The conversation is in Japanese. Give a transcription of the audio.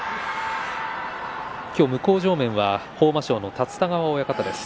向正面には豊真将の立田川親方です。